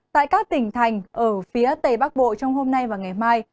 tại các tỉnh thành ở phía tây bắc bộ trong hôm nay và ngày mai